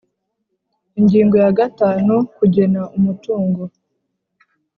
Ingingo ya gatanu Kugena umutungo